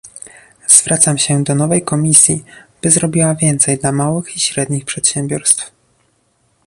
Zwracam się do nowej Komisji, by zrobiła więcej dla małych i średnich przedsiębiorstw